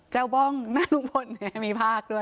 แจ้วบองหน้าลูกพล